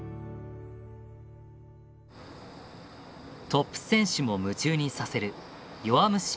トップ選手も夢中にさせる「弱虫ペダル」。